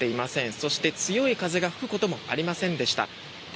そして、強い風が吹くこともありませんでした。